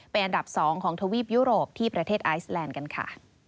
เป็นอันดับ๒ของทวีปยุโรปที่ประเทศไอซแลนด์กันค่ะ